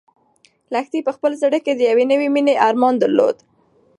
لښتې په خپل زړه کې د یوې نوې مېنې ارمان درلود.